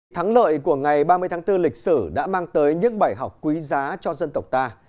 thắng lợi của ngày ba mươi tháng bốn lịch sử đã mang tới những bài học quý giá cho dân tộc ta